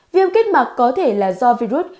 viêm kết mạc có thể là do virus